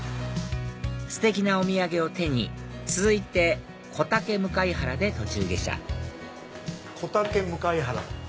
ステキなお土産を手に続いて小竹向原で途中下車小竹向原。